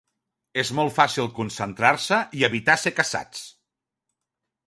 És molt fàcil concentrar-se i evitar ser caçats!